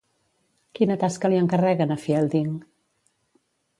Quina tasca li encarreguen a Fielding?